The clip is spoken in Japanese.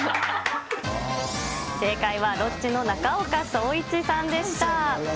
正解は、ロッチの中岡創一さんでした。